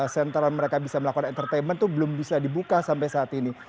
sentral mereka bisa melakukan entertainment itu belum bisa dibuka sampai saat ini